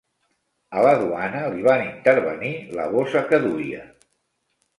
A la duana li van intervenir la bossa que duia.